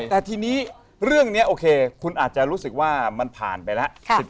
แต่ทีนี้เรื่องนี้โอเคคุณอาจจะรู้สึกว่ามันผ่านไปแล้ว